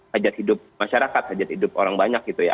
hajat hidup masyarakat hajat hidup orang banyak gitu ya